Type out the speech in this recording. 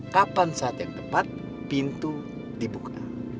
kapan saat yang tepat pintu dibuka